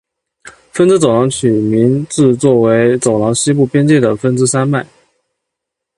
芬兹走廊取名自作为走廊西部边界的芬兹山脉。